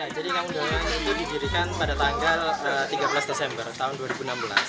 jadi kampung dolanan ini didirikan pada tanggal tiga belas desember tahun dua ribu enam belas